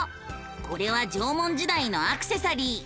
これは縄文時代のアクセサリー。